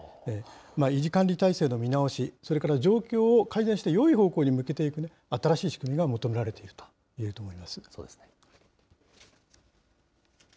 維持管理体制の見直し、それから状況を改善してよい方向に向けていく新しい仕組みが求められていると思います。